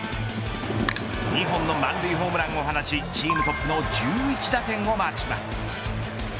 ２本の満塁ホームランを放ちチームトップの１１打点をマークします。